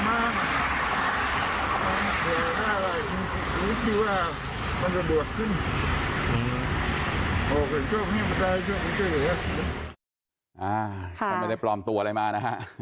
ไม่ได้ปลอมตัวอะไรมานะฮะ